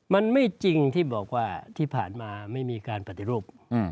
มันไม่จริงที่บอกว่าที่ผ่านมาไม่มีการปฏิรูป